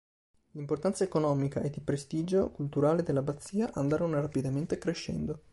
L'importanza economica ed i prestigio culturale dell'abbazia andarono rapidamente crescendo.